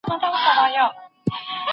ولي منابع خپله نه منسجم کيږي؟